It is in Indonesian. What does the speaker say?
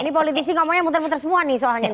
ini politisi ngomongnya muter muter semua nih soalnya